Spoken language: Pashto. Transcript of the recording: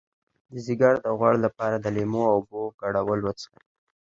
د ځیګر د غوړ لپاره د لیمو او اوبو ګډول وڅښئ